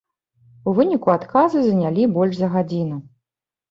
У выніку адказы занялі больш за гадзіну.